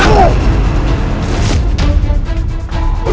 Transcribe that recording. silahkan silahkan bu